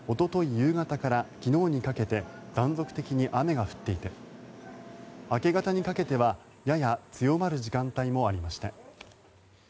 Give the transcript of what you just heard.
夕方から昨日にかけて断続的に雨が降っていて明け方にかけてはやや強まる時間帯もありました。